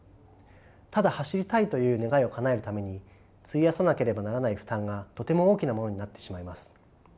ただ走りたいという願いをかなえるために費やさなければならない負担がとても大きなものになってしまいます。